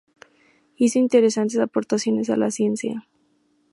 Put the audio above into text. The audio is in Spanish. Hizo interesantes aportaciones a la ciencia.